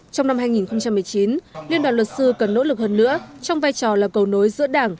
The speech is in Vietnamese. trong năm hai nghìn một mươi chín liên đoàn luật sư cần nỗ lực hơn nữa trong vai trò là cầu nối giữa đảng